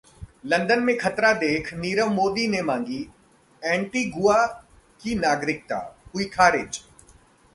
London में खतरा देख नीरव मोदी ने मांगी एंटीगुआ की नागरिकता, हुई खारिज